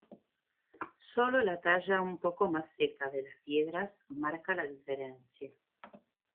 Sólo la talla un poco más seca de las piedras marca la diferencia.